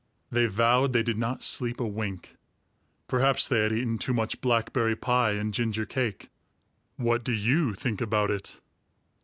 They vowed they did not sleep a wink. (Perhaps they had eaten too much blackberry pie and ginger cake; what do you think about it?)